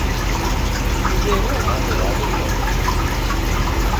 To bende ne omadho yadhno?